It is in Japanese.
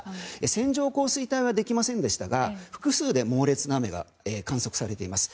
線状降水帯はできませんでしたが複数で猛烈な雨が観測されております。